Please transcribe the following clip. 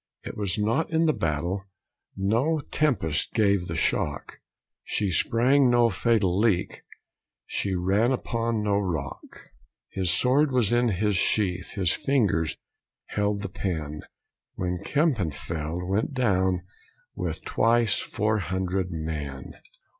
It was not in the battle; No tempest gave the shock, She sprang no fatal leak; She ran upon no rock. His sword was in its sheath; His fingers held the pen, When Kempenfeldt went down, With twice four hundred men.